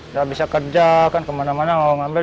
nggak bisa kerja kan kemana mana mau ngambil